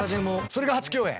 それが初共演？